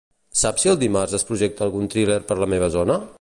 Saps si el dimarts es projecta algun thriller per la meva zona?